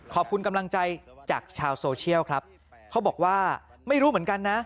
ขอบคุณกำลังใจจากชาวโซเชียลครับเขาบอกว่าไม่รู้เหมือนกันนะ